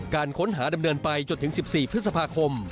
การค้นหาดำเนินไปจนถึง๑๔พฤษภาคม